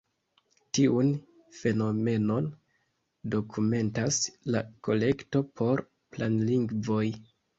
Tiun fenomenon dokumentas la Kolekto por Planlingvoj.